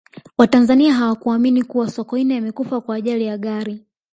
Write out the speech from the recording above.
watanzania hawakuamini kuwa sokoine amekufa kwa ajali ya gari